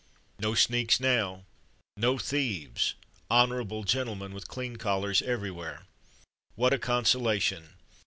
No sneaks now, no thieves honorable gentlemen with clean collars everywhere. What a consolation!